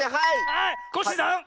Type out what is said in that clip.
はいコッシーさん！